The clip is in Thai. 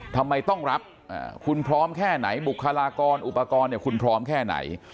ทำไมต้องรับคุณพร้อมแค่ไหนบุคลากรอุปกรณ์คุณพร้อมแค่ไหน